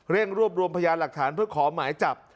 รวบรวมพยานหลักฐานเพื่อขอหมายจับ